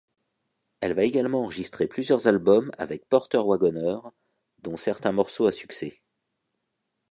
Elle va également enregistrer plusieurs albums avec Porter Wagoner dont certains morceaux à succès.